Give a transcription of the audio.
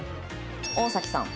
大崎さん。